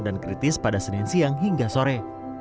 dan kritis pada senin siang hingga sore